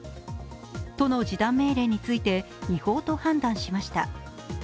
都の時短命令について違法と判断しました。